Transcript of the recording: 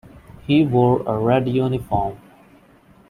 He wore a red uniform.